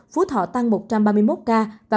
phú thọ tăng một trăm ba mươi một ca